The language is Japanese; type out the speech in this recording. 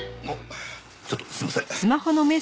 ちょっとすいません。